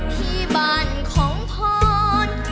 ที่บ้านของผ่อน